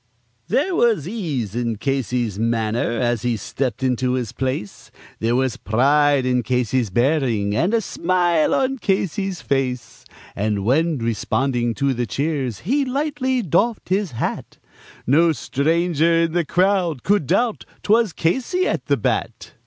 There was ease in Casey's manner as he stepped into his place, There was pride in Casey's bearing, and a smile on Casey's face; And when, responding to the cheers, he lightly doffed his hat, No stranger in the crowd could doubt 'twas Casey at the bat.